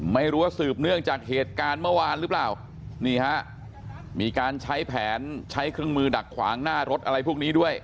ไม่รู้ว่าสืบเนื่องจากเหตุการณ์เมื่อวานหรือเปล่านี่ฮะมีการใช้แผนใช้เครื่องมือดักขวางหน้ารถอะไรพวกนี้ด้วย